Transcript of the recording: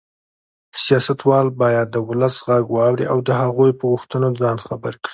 سیاستوال باید د ولس غږ واوري او د هغوی په غوښتنو ځان خبر کړي.